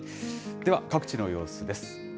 では各地の様子です。